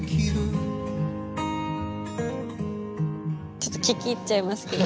ちょっと聴き入っちゃいますけどね。